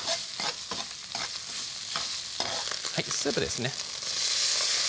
はいスープですね